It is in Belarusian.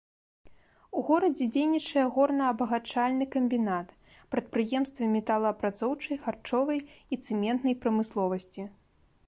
У горадзе дзейнічае горна-абагачальны камбінат, прадпрыемствы металаапрацоўчай, харчовай і цэментнай прамысловасці.